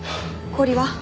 氷は？